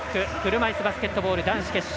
車いすバスケットボール男子決勝